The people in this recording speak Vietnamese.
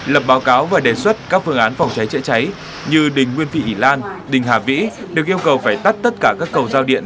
lập báo cáo và đề xuất các phương án phòng cháy chữa cháy như đình nguyên vị hỷ lan đình hà vĩ được yêu cầu phải tắt tất cả các cầu giao điện